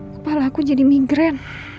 kepala aku jadi migran